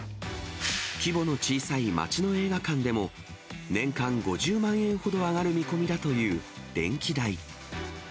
規模の小さい街の映画館でも、年間５０万円ほど上がる見込みだという電気代。